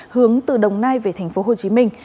hướng từ đồng nai về thành phố hồ chí minh